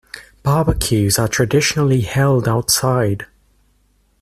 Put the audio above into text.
Barbecues are traditionally held outside.